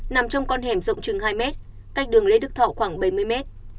nằm trong con hẻm rộng chừng hai m cách đường lê đức thọ khoảng bảy mươi m